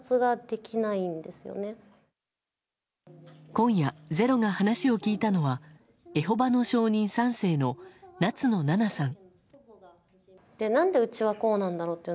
今夜「ｚｅｒｏ」が話を聞いたのはエホバの証人３世の夏野ななさん。